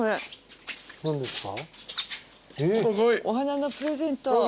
お花のプレゼント。